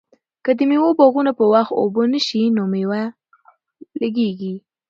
که د مېوو باغونه په وخت اوبه نشي نو مېوه لږیږي.